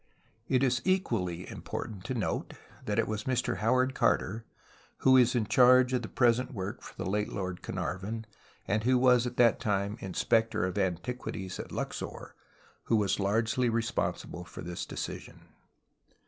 It is equally important to note that it was Mr Howard Carter, who is in charge of the present 124 THE ETHICS OF DESECRATION 125 work for the late I^ord Carnarvon, who was at that time Inspector of Antiquities at Luxor and was largely responsible for this decision.